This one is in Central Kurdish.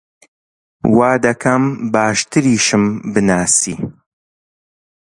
وا دەکەم باشتریشم بناسی!